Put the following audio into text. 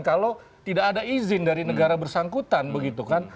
kalau tidak ada izin dari negara bersangkutan